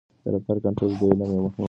د رفتار کنټرول د دې علم یوه مهمه برخه ده.